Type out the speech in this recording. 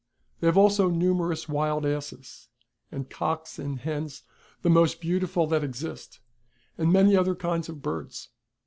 They have also numerous wild asses ; and cocks and hens the most beautiful that exist, and many other kinds of birds.